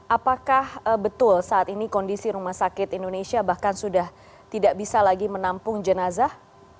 apakah betul saat ini kondisi rumah sakit indonesia bahkan sudah tidak bisa lagi menampung jenazah